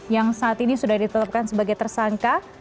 yang saat ini sudah ditetapkan sebagai tersangka